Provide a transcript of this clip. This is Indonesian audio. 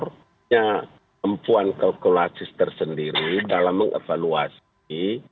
punya kemampuan kalkulasi tersendiri dalam mengevaluasi